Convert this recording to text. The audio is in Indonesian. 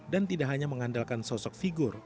dan tidak hanya mengandalkan sosok figur